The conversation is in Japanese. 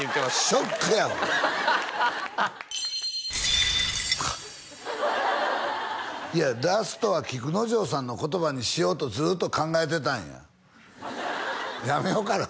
ショックやわかあっいやラストは菊之丞さんの言葉にしようとずっと考えてたんややめようかな